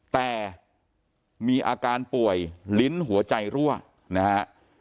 แต่มีอาการป่วยลิ้นหัวใจรั่วนะฮะ